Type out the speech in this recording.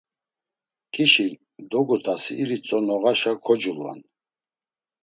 K̆işi dogutasi iritzo noğaşa koculvan.